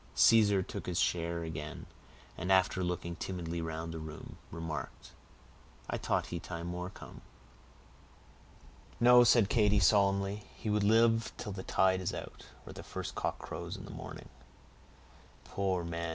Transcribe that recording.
Caesar took his chair again, and after looking timidly round the room, remarked,— "I t'ought he time war' come!" "No," said Katy, solemnly, "he will live till the tide is out, or the first cock crows in the morning." "Poor man!"